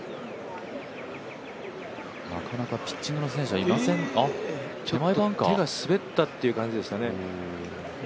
なかなかピッチングの選手はいません手が滑ったっていう感じですかね。